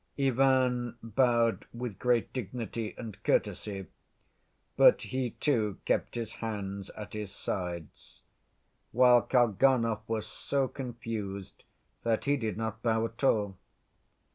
Ivan bowed with great dignity and courtesy, but he too kept his hands at his sides, while Kalganov was so confused that he did not bow at all.